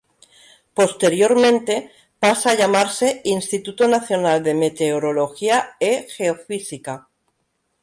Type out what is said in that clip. Posteriormente pasa a llamarse "Instituto Nacional de Meteorología e Geofísica".